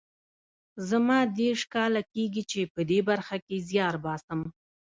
زما دېرش کاله کېږي چې په دې برخه کې زیار باسم